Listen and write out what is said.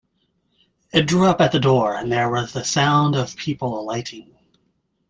It drew up at the door, and there was the sound of people alighting.